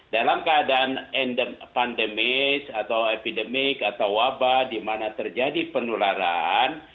dalam keadaan pandemi atau epidemik atau wabah di mana terjadi penularan